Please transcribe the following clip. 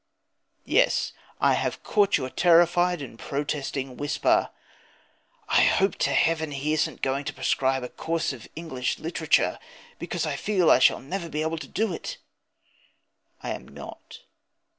Yes, I have caught your terrified and protesting whisper: "I hope to heaven he isn't going to prescribe a Course of English Literature, because I feel I shall never be able to do it!" I am not.